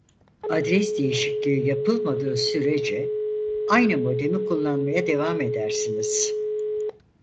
Adres değişikliği yapılmadığı sürece aynı modemi kullamaya devam edersiniz